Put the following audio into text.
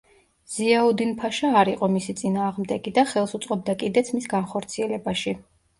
ზიაუდინ-ფაშა არ იყო მისი წინააღმდეგი და ხელს უწყობდა კიდეც მის განხორციელებაში.